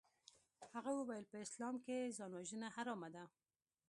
هغه وويل په اسلام کښې ځانوژنه حرامه ده.